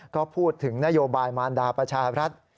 ก็พูดถึงนโยบายมารดาประชารัฐ